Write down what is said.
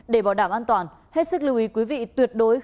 để bảo đảm an toàn hết sức lưu ý quý vị tuyệt đối khẳng định